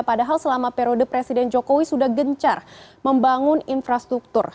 padahal selama periode presiden jokowi sudah gencar membangun infrastruktur